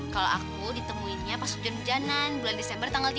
kalau aku ditemuinnya pas hujan hujanan bulan desember tanggal tiga puluh